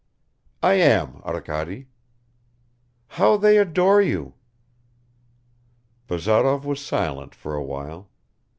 "I am, Arkady." "How they adore you!" Bazarov was silent for a while.